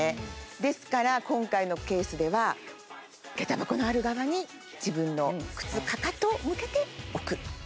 ですから今回のケースではげた箱のある側に自分の靴かかとを向けて置く。